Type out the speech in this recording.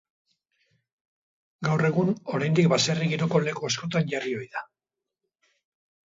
Gaur egun oraindik baserri giroko leku askotan jarri ohi da.